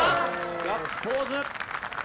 ガッツポーズ。